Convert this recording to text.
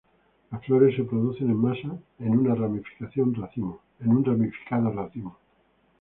Las flores se producen en masa en una ramificado racimo.